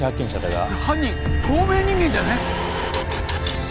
犯人透明人間じゃない？